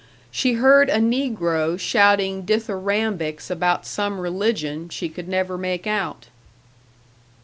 She heard a negro shouting dithyrambics about some religion she could never make out.